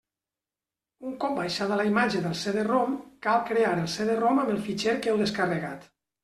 Un cop baixada la imatge del CD-ROM, cal crear el CD-ROM amb el fitxer que heu descarregat.